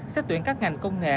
xét tuyển các ngành công nghệ